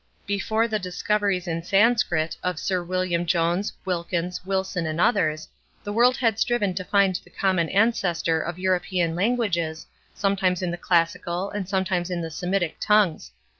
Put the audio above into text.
Before the discoveries in Sanscrit of Sir William Jones, Wilkins, Wilson, and others, the world had striven to find the common ancestor of European languages, sometimes in the classical, and sometimes in the Semitic tongues.